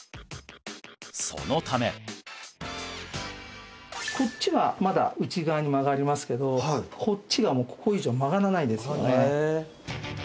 そのためこっちはまだ内側に曲がりますけどこっちがもうここ以上曲がらないですよね